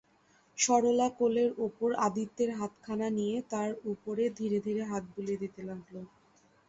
সরলা কোলের উপর আদিত্যের হাতখানা নিয়ে তার উপরে ধীরে ধীরে হাত বুলিয়ে দিতে লাগল।